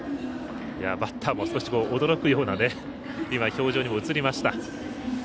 バッターも驚くような表情にも映りました。